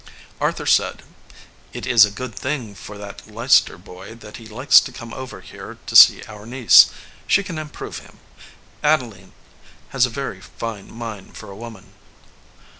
Arthur said, "It is a good thing for that Leicester boy that he likes to come over here to see our niece. She can im prove him. Adeline has a very fine mind for a woman."